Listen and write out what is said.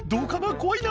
怖いな」